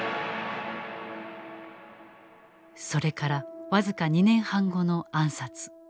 それから僅か２年半後の暗殺。